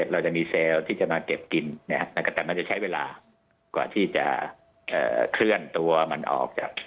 เราจะมีเซลล์ที่จะมาเก็บกินนะครับแต่มันจะใช้เวลากว่าที่จะเคลื่อนตัวมันออกจาก